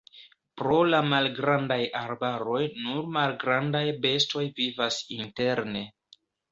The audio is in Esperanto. Pro la malgrandaj arbaroj nur malgrandaj bestoj vivas interne.